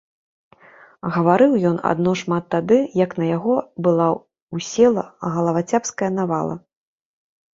Гаварыў ён адно шмат тады, як на яго была ўссела галавацяпская навала.